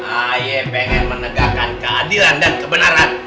ahy pengen menegakkan keadilan dan kebenaran